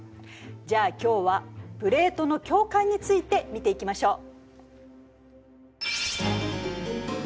じゃあ今日は「プレートの境界」について見ていきましょう。